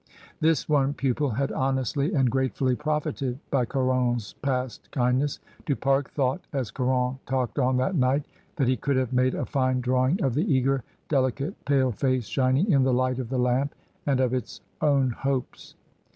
This one pupil had honestly and grate fully profited by Caron's past kindness. Du Pare thought, as Caron talked on that night, that he could have made a fine drawing of the eager, deli cate, pale face shining in the light of the lamp and of its own hopes.